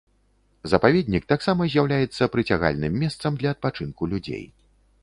Запаведнік таксама з'яўляецца прыцягальным месцам для адпачынку людзей.